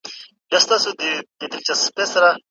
کتاب د زده کړې شوق رامنځته کوي.